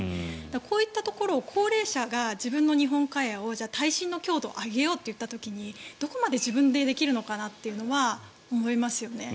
こういったところを高齢者が自分の日本家屋を耐震の強度を上げようといった時にどこまで自分でできるのかなとは思いますよね。